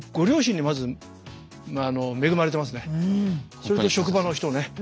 それと職場の人ね。